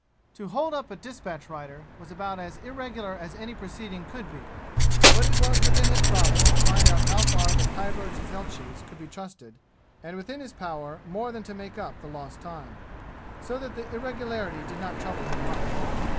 To hold up a despatch rider was about as irregular as any proceeding could be; but it was within his province to find out how far the Khyber jezailchis could be trusted and within his power more than to make up the lost time. So that the irregularity did not trouble him much.